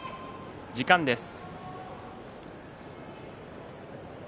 時間です。